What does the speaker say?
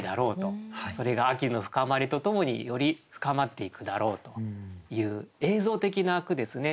それが秋の深まりとともにより深まっていくだろうという映像的な句ですね。